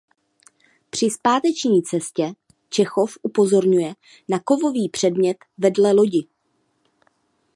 Při zpáteční cestě Čechov upozorňuje na kovový předmět vedle lodi.